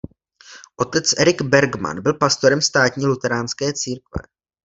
Otec Erik Bergman byl pastorem státní luteránské církve.